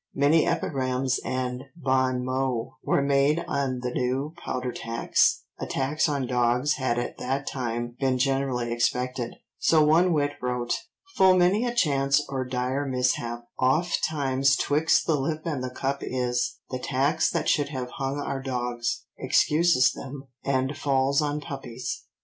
Many epigrams and bon mots were made on the new powder tax; a tax on dogs had at that time been generally expected, so one wit wrote— "Full many a chance or dire mishap, Ofttimes 'twixt the lip and the cup is; The tax that should have hung our dogs, Excuses them, and falls on puppies."